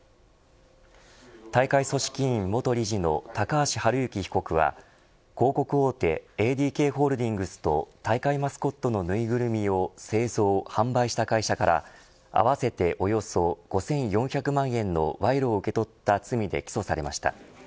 大会組織委元理事の高橋治之被告は広告大手ＡＤＫホールディングスと大会マスコットのぬいぐるみを製造、販売した会社から合わせておよそ５４００万円の賄賂を受け取った罪で起訴されました。